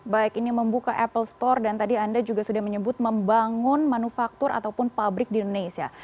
baik ini membuka apple store dan tadi anda juga sudah menyebut membangun manufaktur ataupun pabrik di indonesia